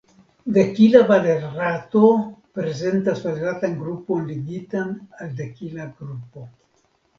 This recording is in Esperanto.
Dekila valerato prezentas valeratan grupon ligitan al dekila grupo.